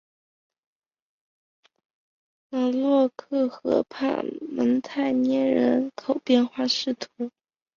朗德洛河畔蒙泰涅人口变化图示